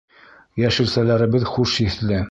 Йәшелсәләребеҙ хуш еҫле!